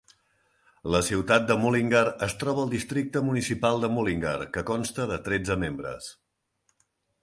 La ciutat de Mullingar es troba al districte municipal de Mullingar, que consta de tretze membres.